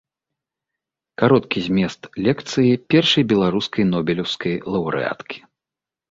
Кароткі змест лекцыі першай беларускай нобелеўскай лаўрэаткі.